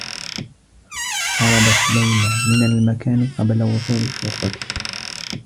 هربت ليلى من المكان قبل وصول الشّرطة.